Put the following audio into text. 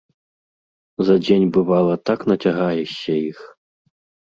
За дзень, бывала, так нацягаешся іх.